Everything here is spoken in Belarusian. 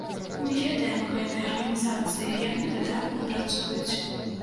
Мы ведаем гэтыя арганізацыі, яны выдатна працуюць.